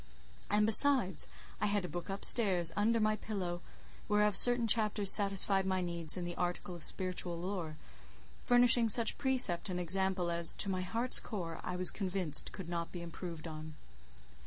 And besides, I had a book up stairs, under my pillow, whereof certain chapters satisfied my needs in the article of spiritual lore, furnishing such precept and example as, to my heart's core, I was convinced could not be improved on.